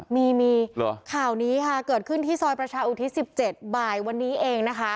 มีมีข่าวนี้ค่ะเกิดขึ้นที่ซอยประชาอุทิศ๑๗บ่ายวันนี้เองนะคะ